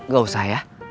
gak usah ya